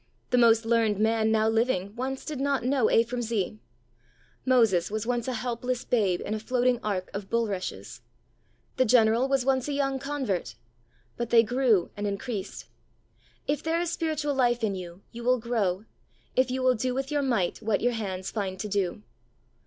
The most learned man now living once did not know A from Z. Moses was once a helpless ^babe in a floating ark of bulrushes. The General was once a young convert. But they grew and increased. If there is spiritual life in you, you will grow, if you will do with your might what your hands find to do.